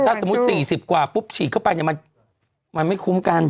ถ้าสมมุติ๔๐กว่าปุ๊บฉีดเข้าไปเนี่ยมันไม่คุ้มกัน